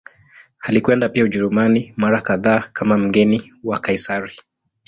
Alikwenda pia Ujerumani mara kadhaa kama mgeni wa Kaisari.